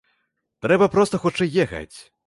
Трэба проста хутчэй ехаць!